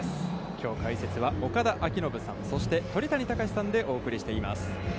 きょう解説は岡田彰布さん、そして鳥谷敬さんでお送りしています。